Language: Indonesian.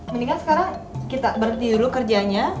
mendingan sekarang kita berhenti dulu kerjanya